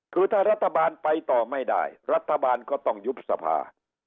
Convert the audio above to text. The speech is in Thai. คือถ้ารัฐบาลไปต่อไม่ได้รัฐบาลก็ต้องยุบสภา